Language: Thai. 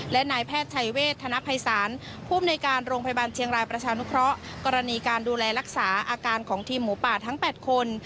และนายแพทย์ชัยเวทธนภัยศาลภูมิในการโรงพยาบาลเชียงรายประชานุเคราะห์กรณีการดูแลรักษาอาการของทีมหมูป่าทั้ง๘คน